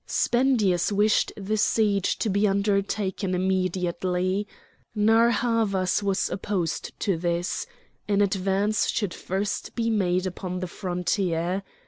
Spendius wished the siege to be undertaken immediately. Narr' Havas was opposed to this: an advance should first be made upon the frontier.